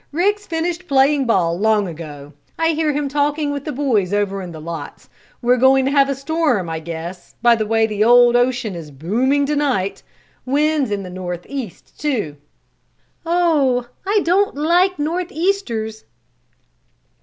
Rick's finished playing ball long ago. I hear him talking with the boys over in the lots. We're going to have a storm, I guess, by the way the old ocean is booming to night. Wind's in the north east, too!" "Oh, I don't like north easters!"